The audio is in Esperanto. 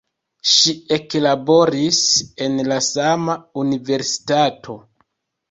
Ŝi eklaboris en la sama universitato.